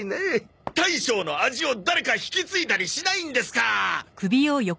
大将の味を誰か引き継いだりしないんですか？